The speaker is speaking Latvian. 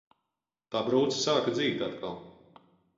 Tā brūce sāka dzīt atkal.